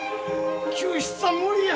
救出は無理や。